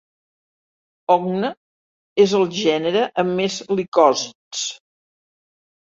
"Hogna" és el gènere amb més licòsids.